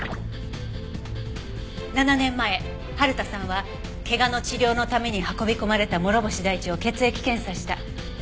７年前春田さんは怪我の治療のために運び込まれた諸星大地を血液検査した。